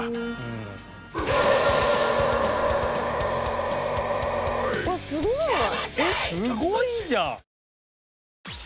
えっすごいじゃん！